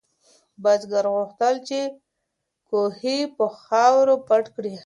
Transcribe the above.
بزګر غوښتل چې کوهی په خاورو پټ کړي.